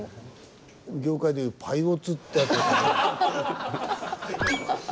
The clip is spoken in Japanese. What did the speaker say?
業界でいうパイオツってやつですね。